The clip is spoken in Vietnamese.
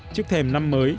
trước thềm năm mới